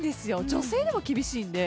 女性でも厳しいんで。